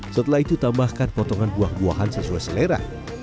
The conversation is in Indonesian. setelah itu tambahkan potongan buah buahan sesuai selera